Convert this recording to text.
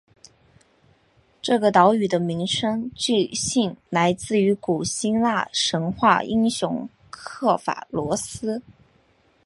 这个岛屿的名称据信来自于古希腊神话英雄刻法罗斯。